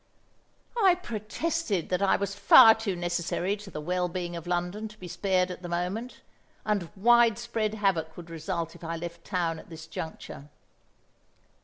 I protested that I was far too necessary to the well being of London to be spared at the moment, and widespread havoc would result if I left town at this juncture.